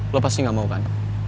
lo pasti gak mau kan